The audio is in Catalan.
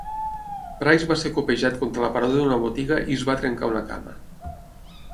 Pryce va ser copejat contra l'aparador d'una botiga i es va trencar una cama.